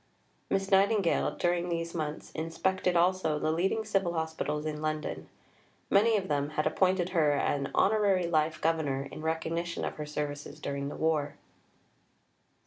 Miss Nightingale, during these months, inspected also the leading Civil Hospitals in London. Many of them had appointed her an Honorary Life Governor in recognition of her services during the war.